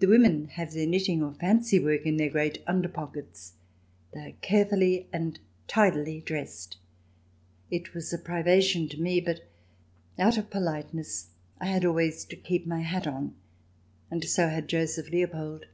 The women have their knitting or fancy work in their great underpockets. They are carefully and tidily dressed. It was a privation to me, but out of polite ness I had always to keep my hat on and so had Joseph Leopold.